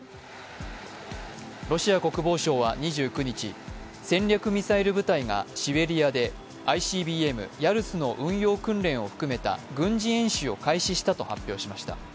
ロシア国防省は２９日戦略ミサイル部隊がシベリアでシベリアでＩＣＢＭ・ヤルスの運用訓練を含めた軍事演習を開始したと発表しました。